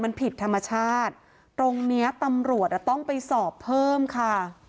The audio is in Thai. มันผิดธรรมชาติตรงเนี้ยตำรวจอ่ะต้องไปสอบเพิ่มค่ะ